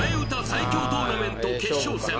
最強トーナメント決勝戦